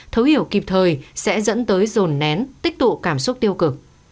thấu hiểu kịp thời sẽ dẫn tới rồn nén tích tụ cảm xúc tiêu cực